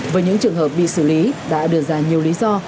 với những trường hợp bị xử lý đã đưa ra nhiều lý do